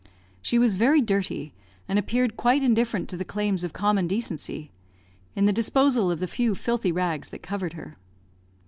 She was very dirty, and appeared quite indifferent to the claims of common decency (in the disposal of the few filthy rags that covered her).